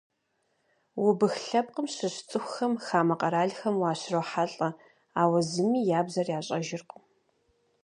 Убых лъэпкъым щыщ цӏыхухэм хамэ къэралхэм уащрохьэлӏэ, ауэ зыми я бзэр ящӏэжыркъым.